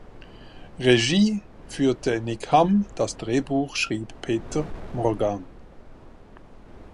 Regie führte Nick Hamm, das Drehbuch schrieb Peter Morgan.